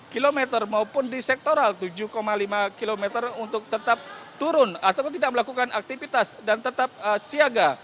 kilometer maupun di sektoral tujuh lima kilometer untuk tetap turun atau tidak melakukan aktivitas dan tetap siaga